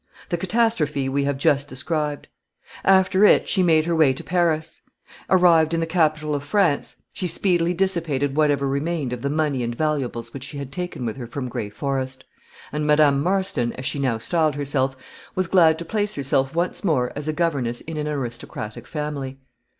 The catastrophe we have just described. After it she made her way to Paris. Arrived in the capital of France, she speedily dissipated whatever remained of the money and valuables which she had taken with her from Gray Forest; and Madame Marston, as she now styled herself, was glad to place herself once more as a governess in an aristocratic family.